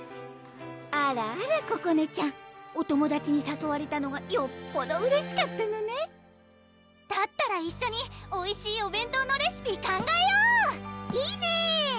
あらあらここねちゃんお友達にさそわれたのがよっぽどうれしかったのねだったら一緒においしいお弁当のレシピ考えよういいね！